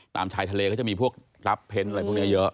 ชายทะเลก็จะมีพวกรับเพ้นอะไรพวกนี้เยอะ